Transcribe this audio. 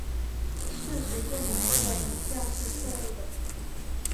事实证明这个影像是错误的。